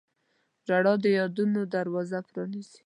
• ژړا د یادونو دروازه پرانیزي.